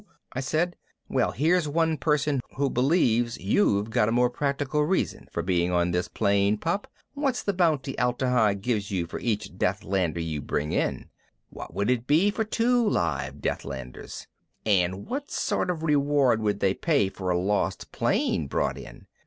I said. "Well, here's one person who believes you've got a more practical reason for being on this plane. Pop, what's the bounty Atla Hi gives you for every Deathlander you bring in? What would it be for two live Deathlanders? And what sort of reward would they pay for a lost plane brought in?